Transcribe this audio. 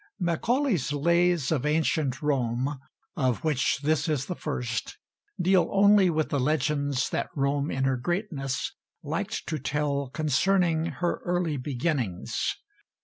_Macaulay's "Lays of Ancient Rome," of which this is the first, deal only with the legends that Rome in her greatness liked to tell concerning her early beginnings.